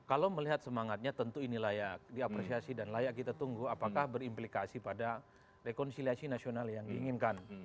kalau melihat semangatnya tentu ini layak diapresiasi dan layak kita tunggu apakah berimplikasi pada rekonsiliasi nasional yang diinginkan